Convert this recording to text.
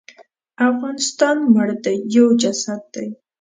افغانستان مړ دی یو جسد دی.